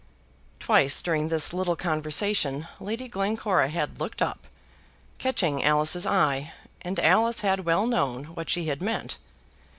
Twice during this little conversation Lady Glencora had looked up, catching Alice's eye, and Alice had well known what she had meant.